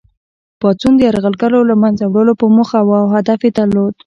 پاڅون د یرغلګرو له منځه وړلو په موخه وو او هدف یې درلود.